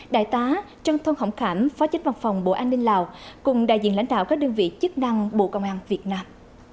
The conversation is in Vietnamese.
đại tá trân thôn hỏng khảm phó chính văn phòng bộ an ninh lào cùng đại diện lãnh đạo các đơn vị chức năng bộ công an việt nam